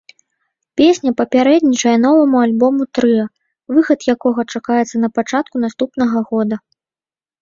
Песня папярэднічае новаму альбому трыа, выхад якога чакаецца на пачатку наступнага года.